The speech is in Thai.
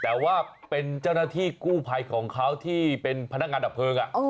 แต่ว่าเป็นเจ้าหน้าที่กู้ภัยของเขาที่เป็นพนักงานดับเพลิง